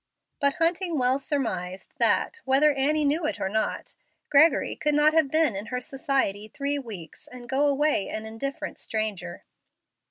But Hunting well surmised that, whether Annie knew it or not, Gregory could not have been in her society three weeks and go away an indifferent stranger.